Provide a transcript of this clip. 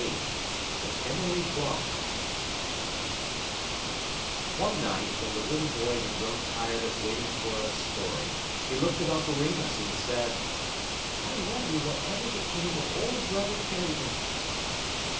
XXXVIII THE PIMMERLY PLUM One night, when the little boy had grown tired of waiting for a story, he looked at Uncle Remus and said: "I wonder what ever became of old Brother Tarrypin."